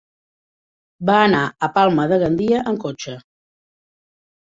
Va anar a Palma de Gandia amb cotxe.